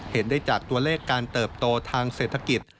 เห็นได้จากตัวเลขการเติบโตทางเศรษฐกิจ